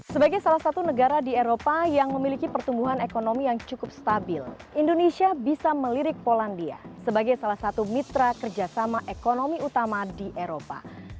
sebagai salah satu negara di eropa yang memiliki pertumbuhan ekonomi yang cukup stabil indonesia bisa melirik polandia sebagai salah satu mitra kerjasama ekonomi utama di eropa